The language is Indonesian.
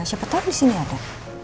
siapa tahu di sini ada